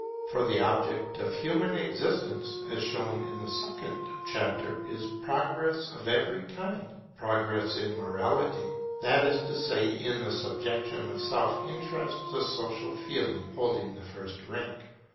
For the object of human existence, as shown in the second chapter, is progress of every kind; progress in morality, that is to say in the subjection of Self interest to Social Feeling, holding the first rank.